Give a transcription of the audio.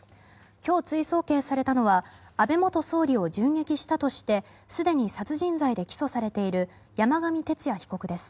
今日、追送検されたのは安倍元総理を銃撃したとしてすでに殺人罪で起訴されている山上徹也被告です。